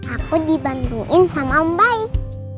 aku dibantuin sama om baik